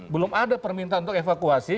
belum ada permintaan untuk evakuasi